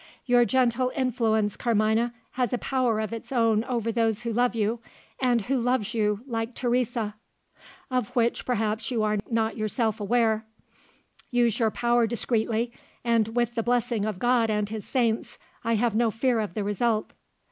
Your gentle influence, Carmina, has a power of its own over those who love you and who loves you like Teresa? of which perhaps you are not yourself aware. Use your power discreetly; and, with the blessing of God and his Saints, I have no fear of the result.